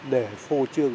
để phô trương